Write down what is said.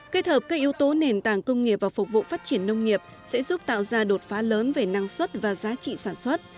kết hợp các yếu tố nền tảng công nghiệp và phục vụ phát triển nông nghiệp sẽ giúp tạo ra đột phá lớn về năng suất và giá trị sản xuất